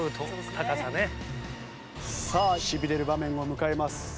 さあしびれる場面を迎えます。